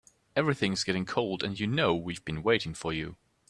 Everything's getting cold and you know we've been waiting for you.